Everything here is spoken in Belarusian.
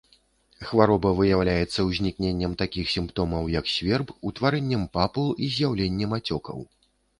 Хвароба выяўляецца узнікненнем такіх сімптомаў, як сверб, утварэннем папул і з'яўленнем ацёкаў.